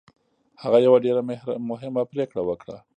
هغه یوه ډېره مهمه پرېکړه وکړه